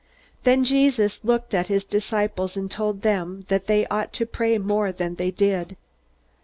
Then Jesus looked at his disciples, and told them that they ought to pray more than they did.